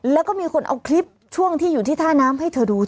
แล้วก็มีคนเอาคลิปช่วงที่อยู่ที่ท่าน้ำให้เธอดู